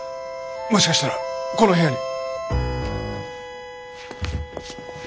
もしかしたらこの部屋に。